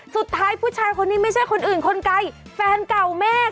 สุดท้ายผู้ชายคนนี้ไม่ใช่คนอื่นคนไกลแฟนเก่าแม่